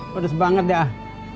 pedes banget dah